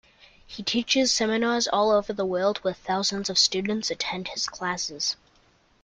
He teaches seminars all over the world where thousands of students attend his classes.